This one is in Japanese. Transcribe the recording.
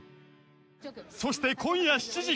［そして今夜７時からは］